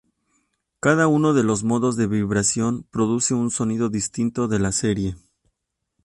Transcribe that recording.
Cada uno de los modos de vibración produce un sonido distinto de la serie.